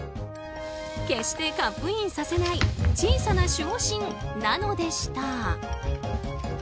決してカップインさせない小さな守護神なのでした。